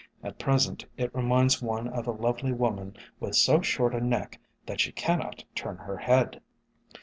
At present it reminds one of a lovely woman with so short a neck that she cannot turn her head